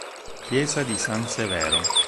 Chiesa di San Severo